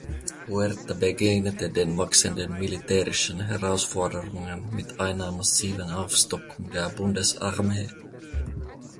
Huerta begegnete den wachsenden militärischen Herausforderungen mit einer massiven Aufstockung der Bundesarmee.